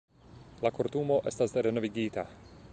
La Kortumo estas renovigita.